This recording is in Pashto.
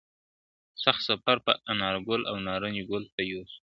تخت سفر به انارګل او نارنج ګل ته یوسو !.